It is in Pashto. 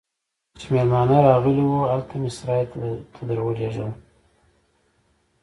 چې مېلمانه راغلي وو، هلته مې سرای ته درولږل.